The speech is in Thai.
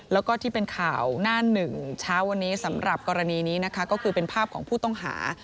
และในข่าวหน้า๑สำหรับกรณีนี้ก็คือเป็นภาพของผู้ต้องหา